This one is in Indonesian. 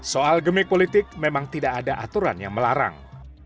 soal gemik politik memang tidak ada aturan yang melarang